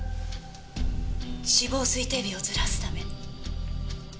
死亡推定日をずらすため。